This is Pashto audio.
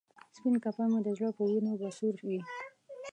سپین کفن مې د زړه په وینو به سور وي.